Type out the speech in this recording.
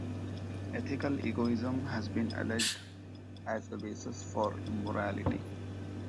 Ethical egoism has been alleged as the basis for immorality.